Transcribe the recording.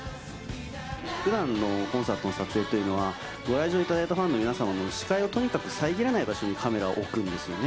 ふだんのコンサートの撮影というのは、ご来場されたファンの皆さんの視界をとにかく遮らない場所にカメラを置くんですよね。